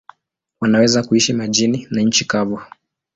Wanaweza kuishi majini na nchi kavu.